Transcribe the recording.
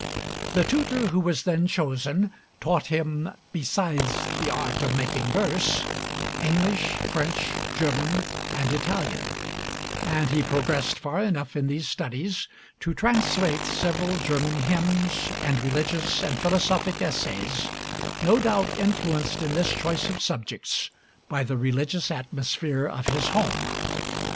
The tutor who was then chosen taught him, "besides the art of making verse," English, French, German, and Italian; and he progressed far enough in these studies to translate several German hymns and religious and philosophic essays, no doubt influenced in this choice of subjects by the religious atmosphere of his home.